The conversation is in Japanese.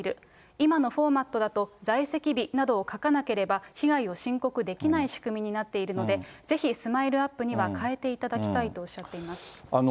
今のフォーマットだと在籍日などを書かなければ、被害を申告できない仕組みになっているので、ぜひスマイルアップには変えていただきたいとおっしゃっています。